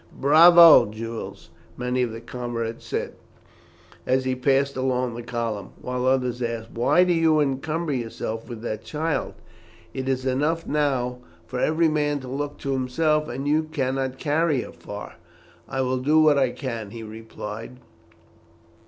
"Bravo, Jules!" many of his comrades said, as he passed along the column; while others asked, "Why do you encumber yourself with that child? It is enough now for every man to look to himself, and you cannot carry her far." "I will do what I can," he replied.